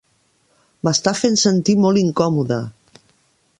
M'està fent sentir molt incòmode.